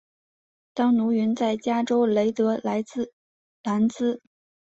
当奴云在加州雷德兰兹。